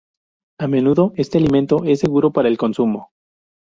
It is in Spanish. A menudo, este alimento es seguro para el consumo.